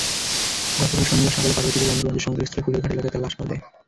গতকাল শনিবার সকালে পার্বতীপুর-বদরগঞ্জের সংযোগস্থলে ফুলেরঘাট এলাকায় তাঁর লাশ পাওয়া যায়।